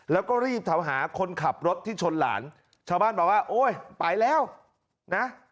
แล้วก็รีบแถวหาคนขับรถที่ชนหลานชาวบ้านบอกว่าโอ๊ยไปแล้วนะ